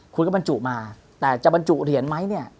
คุณก็บรรจุมาแต่จะบรรจุเหรียญไหมเนี่ย